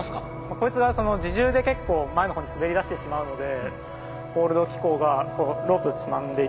こいつが自重で結構前のほうに滑り出してしまうのでホールド機構がロープつまんでいて。